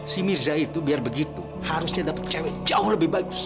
si mirza itu biar begitu harusnya dapet cewek jauh lebih bagus dari lu